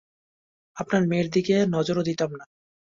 আপনার মেয়ের দিকে নজরও দিতাম না।